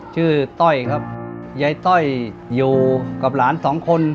ต้อยครับยายต้อยอยู่กับหลานสองคน